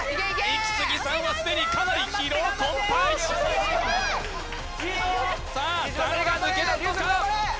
イキスギさんはすでにかなり疲労困憊さあ誰が抜け出すのか？